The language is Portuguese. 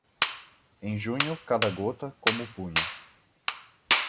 Em junho, cada gota, como o punho.